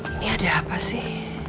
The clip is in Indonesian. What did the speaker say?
ini ada apa sih